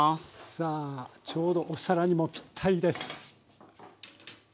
さあちょうどお皿にもピッタリです。